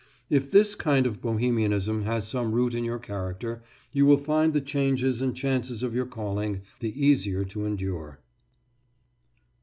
If this kind of Bohemianism has some root in your character, you will find the changes and chances of your calling the easier to endure.